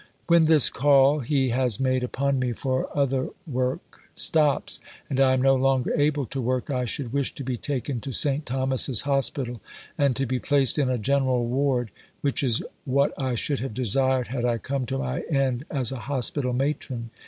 When this call He has made upon me for other work stops, and I am no longer able to work, I should wish to be taken to St. Thomas's Hospital and to be placed in a general ward (which is what I should have desired had I come to my end as a Hospital matron).